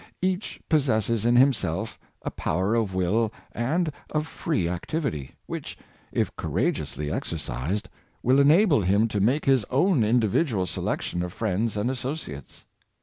Each pos sesses in himself a power of will and of free activity, which, if courageously exercised, will enable him to make his own individual selection of friends and asso ciates.